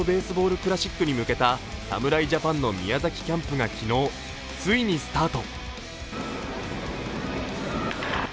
クラシックに向けた侍ジャパンの宮崎キャンプが昨日ついにスタート。